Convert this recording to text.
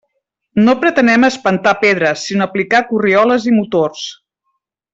No pretenem espentar pedres, sinó aplicar corrioles i motors.